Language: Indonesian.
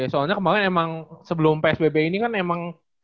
ya soalnya kemarin emang sebelum psbb ini kan emang kayaknya semuanya udah normal efeknya